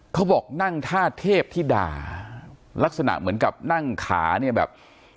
เขาบอกนั่งท่าเทพที่ด่าลักษณะเหมือนกับนั่งขาเนี่ยแบบ